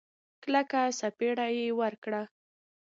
کلکه سپېړه يې ورکړه.